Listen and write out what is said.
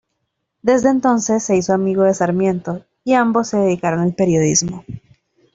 Desde entonces se hizo amigo de Sarmiento, y ambos se dedicaron al periodismo.